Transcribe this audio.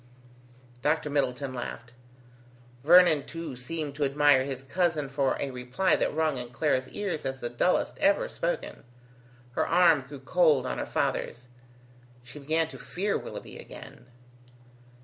Dr. Middleton laughed. Vernon too seemed to admire his cousin for a reply that rung in Clara's ears as the dullest ever spoken. Her arm grew cold on her father's. She began to fear Willoughby again.